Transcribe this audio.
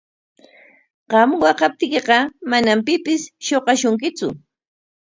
Qam waqaptiykiqa manam pipis shuqashunkitsu.